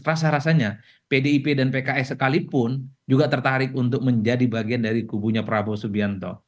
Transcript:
rasa rasanya pdip dan pks sekalipun juga tertarik untuk menjadi bagian dari kubunya prabowo subianto